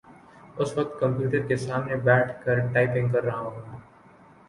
اس وقت کمپیوٹر کے سامنے بیٹھ کر ٹائپنگ کر رہا ہوں۔